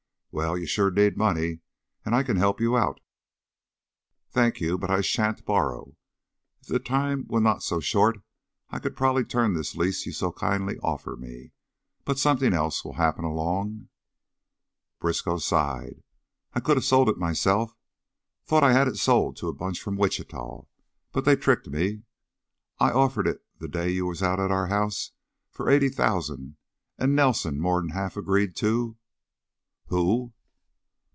"Well, you sure need money, and I kin he'p you out." "Thank you, but I sha'n't borrow. If the time were not so short, I could probably turn this lease you so kindly offered me. But something else will happen along." Briskow sighed. "I could of sold it myself thought I had it sold to a bunch from Wichita, but they tricked me. I offered it the day you was at our house for eighty thousand and Nelson more 'n half agreed to " "_Who?